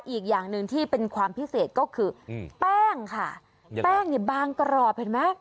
อีกอย่างหนึ่งที่เป็นความพิเศษก็คือแป้งค่ะแป้งเนี่ยบางกรอบเห็นไหม